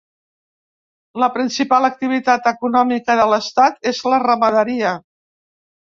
La principal activitat econòmica de l'estat és la ramaderia.